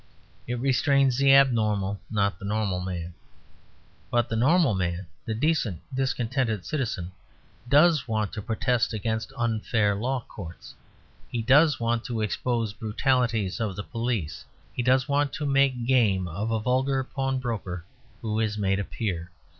It restrains the abnormal, not the normal man. But the normal man, the decent discontented citizen, does want to protest against unfair law courts. He does want to expose brutalities of the police. He does want to make game of a vulgar pawnbroker who is made a Peer.